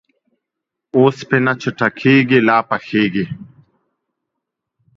اوسپنه چې ټکېږي ، لا پخېږي.